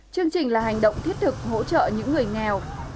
chương trình là hành động thiết thực hỗ trợ những người nghèo